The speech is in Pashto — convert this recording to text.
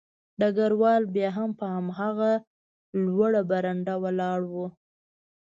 ډګروال بیا هم په هماغه لوړه برنډه ولاړ و